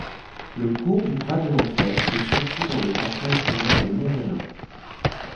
Le cours du Bras de l’Enfer coule surtout dans le Parc national des Monts-Valin.